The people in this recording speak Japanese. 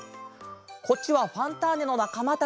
こっちは「ファンターネ！」のなかまたち。